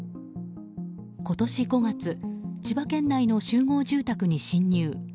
今年５月千葉県内の集合住宅に侵入。